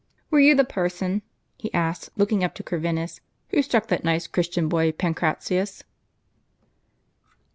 Were you the person," he asked, look ing up to Corvinus, "who struck that nice Cliristian boy Pancratius